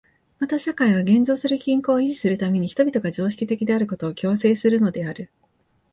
また社会は現存する均衡を維持するために人々が常識的であることを強制するのである。